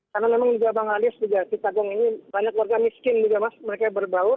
karena memang di bangalias di tagong ini banyak warga miskin juga mas mereka berbau